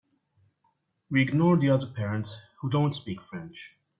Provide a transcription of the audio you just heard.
We ignore the other parents who don’t speak French.